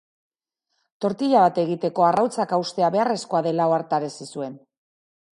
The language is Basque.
Tortila bat egiteko arrautzak haustea beharrezkoa dela ohartarazi zuen.